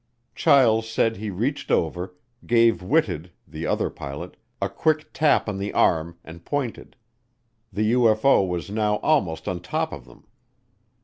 Chiles said he reached over, gave Whitted, the other pilot, a quick tap on the arm, and pointed. The UFO was now almost on top of them.